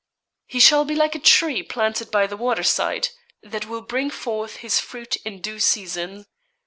'He shall be like a tree planted by the water side, that will bring forth his fruit in due season.